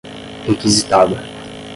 requisitada